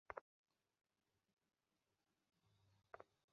আমার স্বামীর কেনা এগুলো।